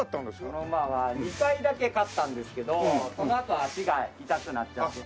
この馬は２回だけ勝ったんですけどそのあと足が痛くなっちゃって。